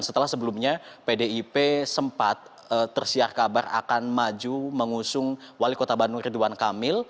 setelah sebelumnya pdip sempat tersiar kabar akan maju mengusung wali kota bandung ridwan kamil